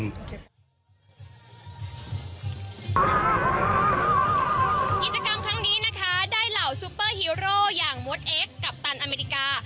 กิจกรรมครั้งนี้นะคะได้เหล่าซูเปอร์ฮีโร่อย่างมดเอ็กซัปตันอเมริกา